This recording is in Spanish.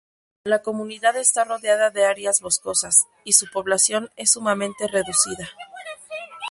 La comunidad está rodeada de áreas boscosas, y su población es sumamente reducida.